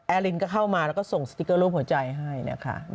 ลินก็เข้ามาแล้วก็ส่งสติ๊กเกอร์รูปหัวใจให้นะคะ